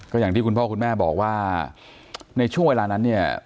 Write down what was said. ก็อย่างที่คุณพ่อคุณแม่บอกว่าในช่วงเวลานั้นเนี่ย